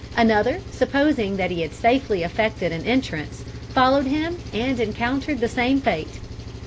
Another, supposing that he had safely effected an entrance, followed him and encountered the same fate.